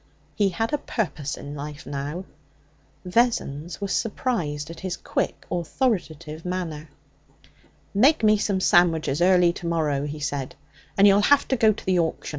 He had a purpose in life now. Vessons was surprised at his quick, authoritative manner. 'Make me some sandwiches early to morrow,' he said, 'and you'll have to go to the auction.